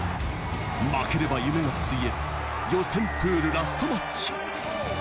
負ければ夢がついえる、予選プールラストマッチへ。